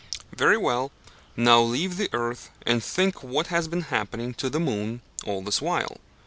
Very well, now leave the earth, and think what has been happening to the moon all this while.